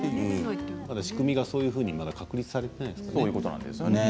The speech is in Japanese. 仕組みが、まだそういうふうに確立されていないんですね。